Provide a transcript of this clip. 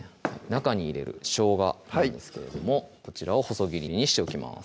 中に入れるしょうがなんですけれどもこちらを細切りにしておきます